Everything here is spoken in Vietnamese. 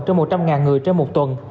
trên một trăm linh người trên một tuần